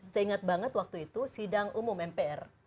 saya ingat banget waktu itu sidang umum mpr